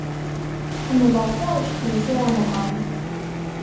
Ḥemmleɣ taɣect n Si Remḍan.